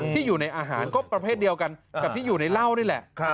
ที่อยู่ในอาหารก็ประเภทเดียวกันกับที่อยู่ในเหล้านี่แหละ